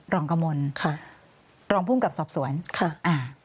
รองกมลค่ะรองพุ่มกับสอบสวนค่ะอ่า